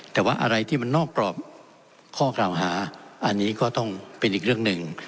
แต่ว่าอะไรที่มันนอกกรอบข้อกล่าวหาอันนี้ก็ต้องเป็นอีกเรื่องหนึ่ง